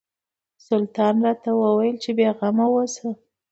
سلطان راته وویل چې بېغمه اوسه.